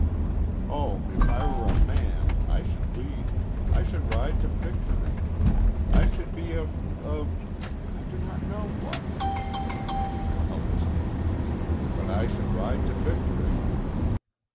Oh, if I were a man I should lead I should ride to victory! I should be a a I do not know what," she concluded helplessly, "but I should ride to victory."